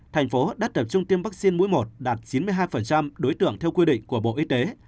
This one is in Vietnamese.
thành phố đã tập trung tiêm vaccine mũi một đạt chín mươi hai đối tượng theo quy định của bộ y tế